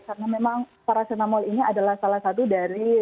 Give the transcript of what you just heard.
karena memang parasetamol ini adalah salah satu dari